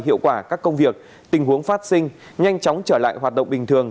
hiệu quả các công việc tình huống phát sinh nhanh chóng trở lại hoạt động bình thường